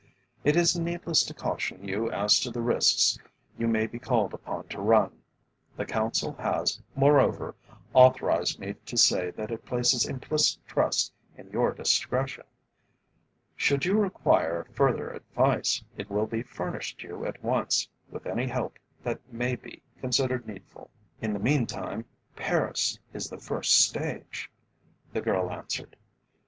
It is needless to caution you as to the risks you may be called upon to run. The Council has, moreover, authorised me to say that it places implicit trust in your discretion. Should you require further advice, it will be furnished you at once, with any help that may be considered needful." "In the meantime, Paris is the first stage," the girl answered.